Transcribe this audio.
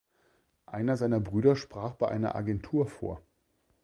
Einer seiner Brüder sprach bei einer Agentur vor.